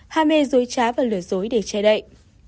ham mê dối trá và lửa dối để che đậy